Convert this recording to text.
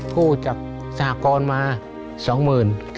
กู้จากสหกรณ์มา๒๐๐๐บาท